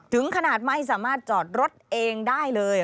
ถึงขนาดไม่สามารถจอดรถเองได้เลย